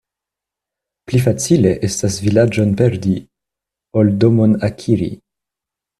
Pli facile estas vilaĝon perdi, ol domon akiri.